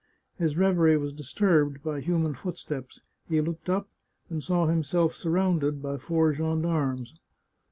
His reverie was disturbed by human footsteps; he looked up, and saw himself sur rounded by four gendarmes.